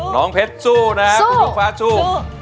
น้องเพชรสู้นะครับคุณทุกฟ้าสู้